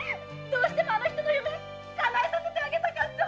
どうしてもあの人の夢かなえさせてあげたかった。